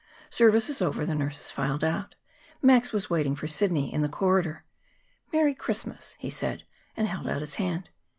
Services over, the nurses filed out. Max was waiting for Sidney in the corridor. "Merry Christmas!" he said, and held out his hand.